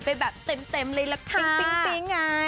ไปแบบเต็มเลยนะคะ